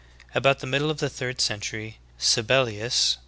*" 15. About the middle of the third century, Sibellius.